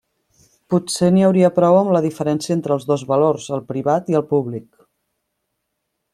Potser n'hi hauria prou amb la diferència entre els dos valors, el privat i el públic.